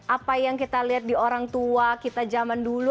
apa yang kita lihat di orang tua kita zaman dulu